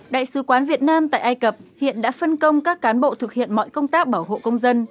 đại sứ quán việt nam tại ai cập hiện đã phân công các cán bộ thực hiện mọi công tác bảo hộ công dân